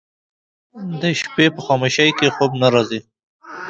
د شپې په خاموشۍ کې خوب نه راځي